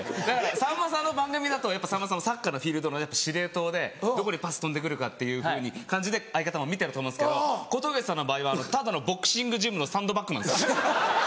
さんまさんの番組だとやっぱさんまさんもサッカーのフィールドの司令塔でどこにパス飛んで来るかっていうふうな感じで相方も見てると思うんですけど小峠さんの場合はただのボクシングジムのサンドバッグなんですよ。